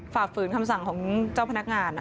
ฝ่าฝืนคำสั่งของเจ้าพนักงาน